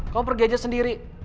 kamu pergi aja sendiri